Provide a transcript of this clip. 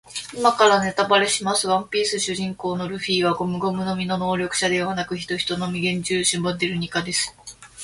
今からネタバレします。ワンピース主人公のルフィはゴムゴムの実の能力者ではなく、ヒトヒトの実幻獣種モデルニカです。